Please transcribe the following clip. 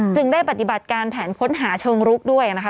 ได้ปฏิบัติการแผนค้นหาเชิงรุกด้วยนะคะ